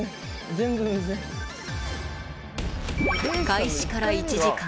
開始から１時間。